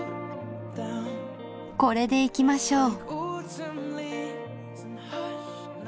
これでいきましょう。